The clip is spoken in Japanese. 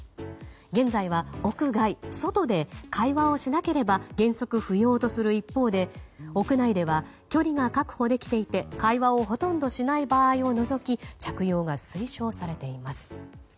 現在は、屋外、外で会話をしなければ原則不要とする一方で屋内では距離が確保できていて会話をほとんどしない場合を除き着用が推奨されています。